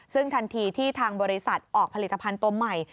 ซึ่งทันทีที่ทางบริษัทออกผลิตภัณฑ์ตัวใหม่